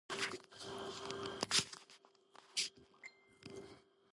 ადოლფმა დააარსა ბურგის ციხე-სიმაგრე.